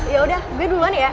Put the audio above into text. yaudah gue duluan ya